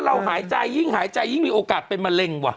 แต่ว่าเราหายใจยิ่งมีโอกาสเป็นมะเร็งวะ